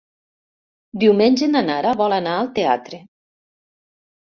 Diumenge na Nara vol anar al teatre.